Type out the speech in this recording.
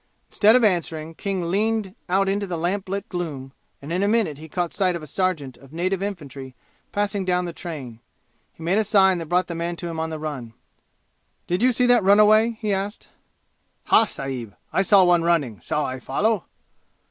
Instead of answering, King leaned out into the lamp lit gloom, and in a minute he caught sight of a sergeant of native infantry passing down the train. He made a sign that brought the man to him on the run. "Did you see that runaway?" he asked. "Ha, sahib. I saw one running. Shall I follow?"